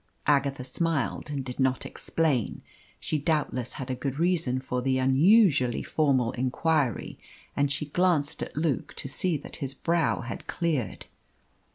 Agatha smiled and did not explain. She doubtless had a good reason for the unusually formal inquiry, and she glanced at Luke to see that his brow had cleared.